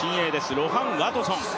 ロハン・ワトソン。